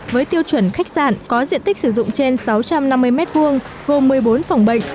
với tiêu chuẩn khách sạn có diện tích sử dụng trên sáu trăm năm mươi m hai gồm một mươi bốn phòng bệnh